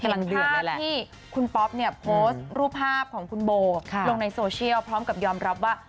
เห็นภาพที่คุณป๊อปโพสต์ภาพของคุณโบล์ลงโซเชียลพร้อมกับยอมรับว่า